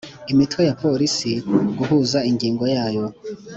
Imitwe ya Polisi guhuza ingingo zayo